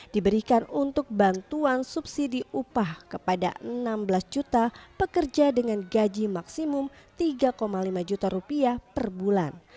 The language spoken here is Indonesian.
diberikan untuk bantuan subsidi upah kepada enam belas juta pekerja dengan gaji maksimum rp tiga lima juta rupiah per bulan